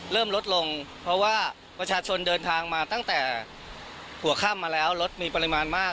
เริ่มลดลงเพราะว่าประชาชนเดินทางมาตั้งแต่หัวค่ำมาแล้วรถมีปริมาณมาก